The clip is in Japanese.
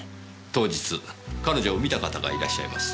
当日彼女を見た方がいらっしゃいます。